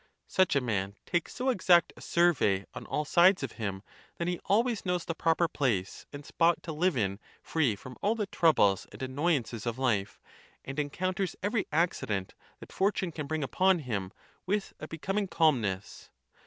Such a man takes so exact a survey on all sides of him, that he always knows the prop er place and spot to live in free from all the troubles and annoyances of life, and encounters every accident that fort une can bring upon him with a becoming calmness.